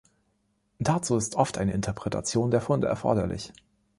Dazu ist oft eine Interpretation der Funde erforderlich.